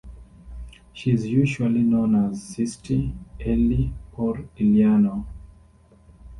She is usually known as "Sistie", "Ellie" or "Eleanor".